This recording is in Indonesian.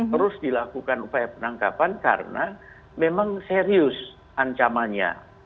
terus dilakukan upaya penangkapan karena memang serius ancamannya